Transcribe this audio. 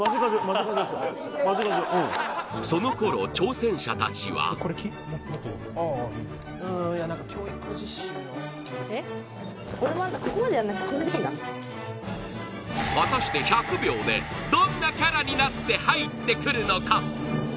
その頃挑戦者達は果たして１００秒でどんなキャラになって入ってくるのか？